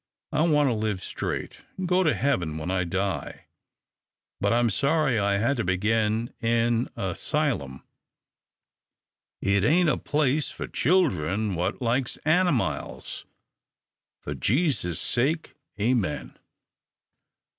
I want to live straight, an' go to heaven when I die, but I'm sorry I had to begin in a 'sylum. It ain't a place for children what likes animiles. For Jesus' sake, Amen."